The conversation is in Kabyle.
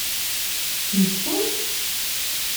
Mmektan-d?